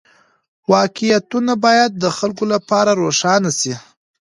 واقعيتونه بايد د خلګو لپاره روښانه سي.